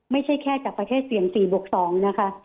ไม่ใช่แค่จากประเทศเสี่ยง๔บวก๒นะคะ